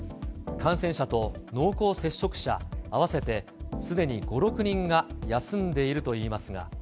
感染者と濃厚接触者、合わせてすでに５、６人が休んでいるといいますが。